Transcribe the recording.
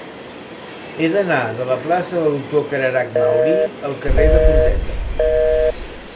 He d'anar de la plaça del Doctor Cararach Mauri al carrer de Fonteta.